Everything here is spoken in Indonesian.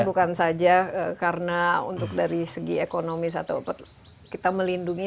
bukan saja karena untuk dari segi ekonomis atau kita melindungi